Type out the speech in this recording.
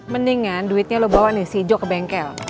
mendingan duitnya lo bawa nih si jo ke bengkel